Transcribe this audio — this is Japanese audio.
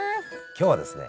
今日はですね